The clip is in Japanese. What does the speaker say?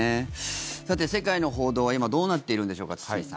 さて、世界の報道は今、どうなっているんでしょうか堤さん。